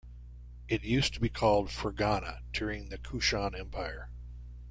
It used to be called ferghana, during the Kushan empire.